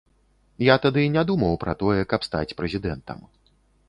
Я тады не думаў пра тое, каб стаць прэзідэнтам.